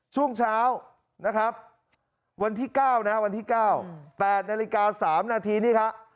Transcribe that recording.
ช่วงเช้านะครับวันที่๙นะวันที่๙๘นาฬิกา๓นาทีนี่ฮะ